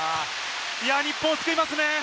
日本、救いますね。